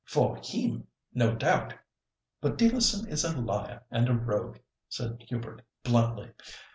"For him, no doubt; but Dealerson is a liar and a rogue," said Hubert, bluntly.